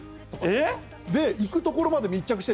で、行くところまで密着して。